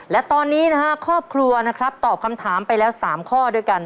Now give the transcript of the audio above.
และตอนนี้นะฮะครอบครัวนะครับตอบคำถามไปแล้ว๓ข้อด้วยกัน